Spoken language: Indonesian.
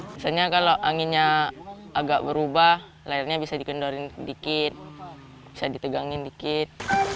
misalnya kalau anginnya agak berubah layarnya bisa dikendorin sedikit bisa ditegangin dikit